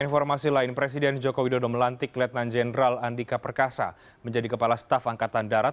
informasi lain presiden joko widodo melantik letnan jenderal andika perkasa menjadi kepala staf angkatan darat